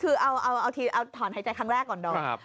คือเอาถอนหายใจครั้งแรกก่อนดอม